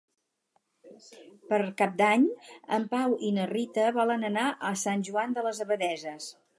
Per Cap d'Any en Pau i na Rita volen anar a Sant Joan de les Abadesses.